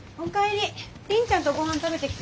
凜ちゃんとごはん食べてきた？